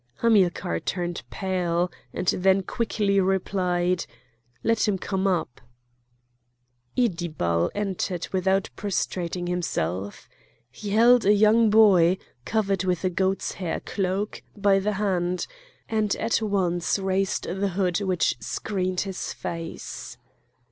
Hamilcar turned pale, and then quickly replied: "Let him come up!" Iddibal entered without prostrating himself. He held a young boy, covered with a goat's hair cloak, by the hand, and at once raised the hood which screened his face.